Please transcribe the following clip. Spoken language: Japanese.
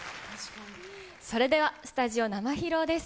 それではスタジオ生披露です。